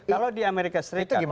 kalau di amerika serikat